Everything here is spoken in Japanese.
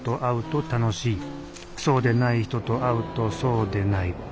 そうでない人と会うとそうでない。